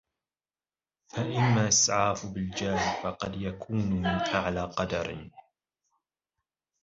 فَأَمَّا الْإِسْعَافُ بِالْجَاهِ فَقَدْ يَكُونُ مِنْ الْأَعْلَى قَدْرًا